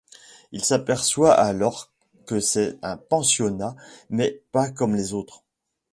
Ils s'aperçoivent alors que c'est un pensionnat, mais pas comme les autres.